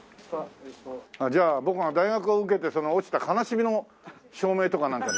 じゃあ僕が大学を受けてその落ちた悲しみの照明とかなんかにしますか？